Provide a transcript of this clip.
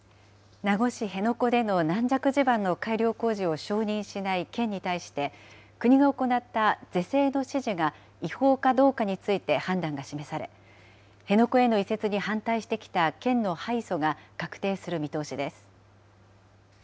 名護市辺野古での軟弱地盤の改良工事を承認しない県に対して、国が行った是正の指示が違法かどうかについて判断が示され、辺野古への移設に反対してきた県の敗訴が確定する見通しです。